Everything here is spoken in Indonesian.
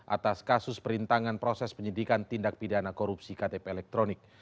atas kasus perintangan proses penyidikan tindak pidana korupsi ktp elektronik